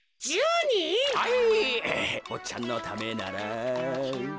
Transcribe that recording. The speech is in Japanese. ぼっちゃんのためなら。